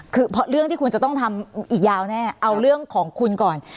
คือเพราะเรื่องที่คุณจะต้องทำอีกยาวแน่เอาเรื่องของคุณก่อน